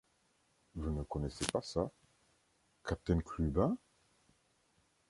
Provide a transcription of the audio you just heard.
Vous ne connaissez pas ça, capitaine Clubin?